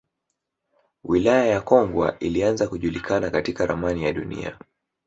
Wilaya ya Kongwa ilianza kujulikana katika ramani ya Dunia